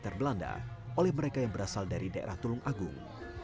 terbelanda oleh mereka yang berasal dari daerah tulung agung